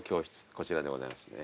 こちらでございますね。